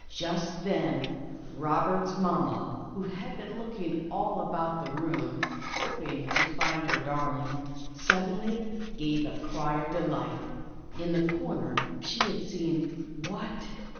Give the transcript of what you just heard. Just then Robert's Red Boots. 207 mamma, who had been looking all about the room hoping to find her darling, suddenly gave a cry of delight. In the corner she had seen — what